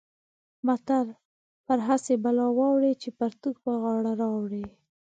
متل: پر هسې بلا واوړې چې پرتوګ پر غاړه راوړې.